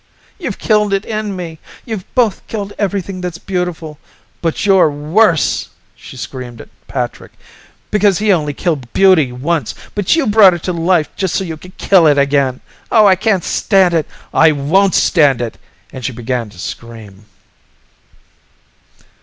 "You've killed it in me. You've both killed everything that's beautiful. But you're worse," she screamed at Patrick, "because he only killed beauty once, but you brought it to life just so you could kill it again. Oh, I can't stand it! I won't stand it!" And she began to scream.